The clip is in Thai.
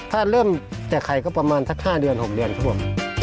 ถ้าเริ่มจากไข่ก็ประมาณสัก๕เดือน๖เดือนครับผม